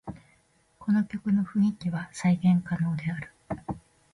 この曲の雰囲気は再現可能である